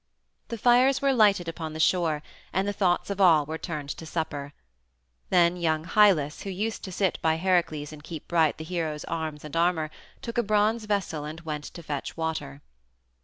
The fires were lighted upon the shore, and the thoughts of all were turned to supper. Then young Hylas, who used to sit by Heracles and keep bright the hero's arms and armor, took a bronze vessel and went to fetch water.